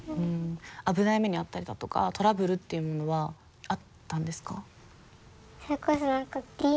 危ない目に遭ったりだとかトラブルっていうものはあったんですか？